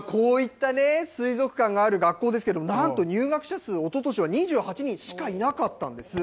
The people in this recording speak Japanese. こういった水族館がある学校ですが何と入学者数、おととしは２８人しかいなかったんです。